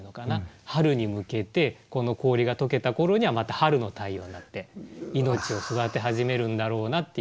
春に向けてこの氷が解けた頃にはまた春の太陽になって命を育て始めるんだろうなっていう。